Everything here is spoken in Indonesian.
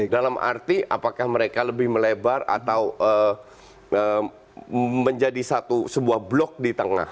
dalam arti apakah mereka lebih melebar atau menjadi sebuah blok di tengah